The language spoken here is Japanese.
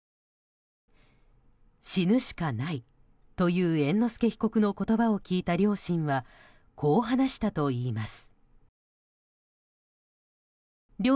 死ぬしかないという猿之助被告の言葉を聞いた両親はこう話したといいます。